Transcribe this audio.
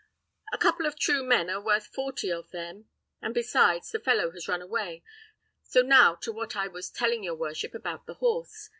"A couple of true men are worth forty of them; and besides, the fellow has run away. So now to what I was telling your worship about the horse.